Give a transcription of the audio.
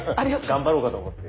頑張ろうかと思って。